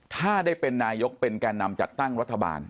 ถ้าได้เป็นนายกเป็นแก่นำจัดตั้งรัฐบาล